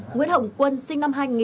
nguyễn hồng quân sinh năm hai nghìn